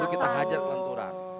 baru kita hajar kelenturan